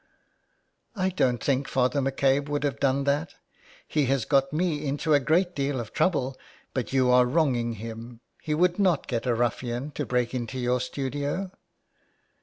" I don't think Father McCabe would have done that ; he has got me into a great deal of trouble, but you are wronging him. He would not get a ruffian to break into your studio.'